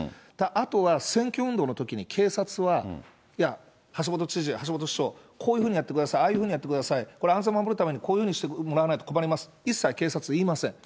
あとは選挙運動のときに、警察は、いや、橋下知事、橋下市長、こういうふうにやってください、ああいうふうにやってください、これ安全を守るためにこういうふうにしてもらわないと困ります、一切警察は言いません。